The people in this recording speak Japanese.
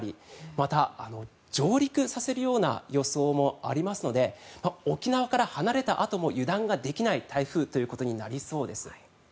また、上陸させるような予想もありますので沖縄から離れたあとも油断ができない台風となりそうです。